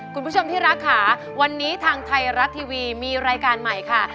คุณผู้ชมที่รักค่ะวันนี้ทางไทยรัฐทีวีมีรายการใหม่ค่ะ